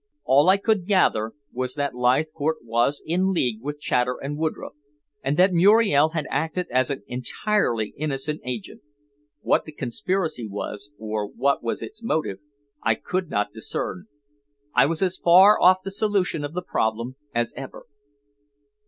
All I could gather was that Leithcourt was in league with Chater and Woodroffe, and that Muriel had acted as an entirely innocent agent. What the conspiracy was, or what was its motive, I could not discern. I was as far off the solution of the problem as ever.